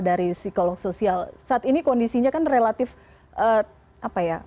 dari psikolog sosial saat ini kondisinya kan relatif apa ya